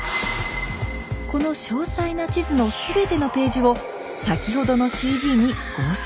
この詳細な地図の全てのページを先ほどのＣＧに合成！